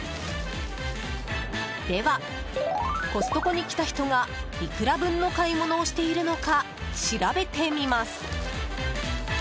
では、コストコに来た人がいくら分の買い物をしているのか調べてみます。